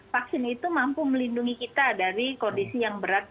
vaksin itu mampu melindungi kita dari kondisi yang berat